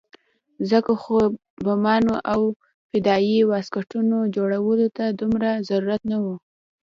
ځکه خو د بمانو او فدايي واسکټونو جوړولو ته دومره ضرورت نه وو.